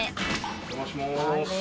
お邪魔します。